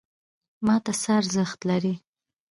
ماته څه ارزښت لري؟